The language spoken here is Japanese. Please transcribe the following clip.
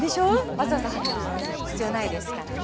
わざわざ量る必要ないですからね。